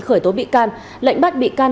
khởi tố bị can lệnh bắt bị can